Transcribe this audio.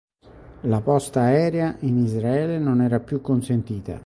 La posta aerea in Israele non era più consentita.